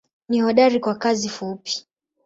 Ni hodari kwa kazi fupi.